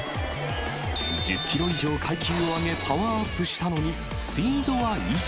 １０キロ以上階級を上げ、パワーアップしたのにスピードは維持。